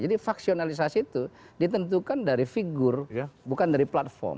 jadi faksionalisasi itu ditentukan dari figur bukan dari platform